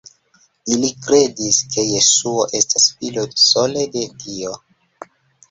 Ili kredis, ke Jesuo estas Filo sole de Dio.